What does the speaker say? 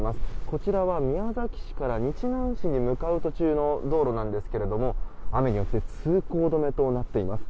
こちらは宮崎市から日南市に向かう途中の道路ですが雨によって通行止めとなっています。